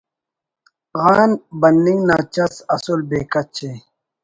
غان بننگ نا چَس اسُل بے کچ ءِ